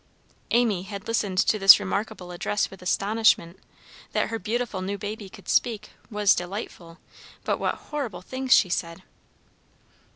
Amy had listened to this remarkable address with astonishment. That her beautiful new baby could speak, was delightful, but what horrible things she said!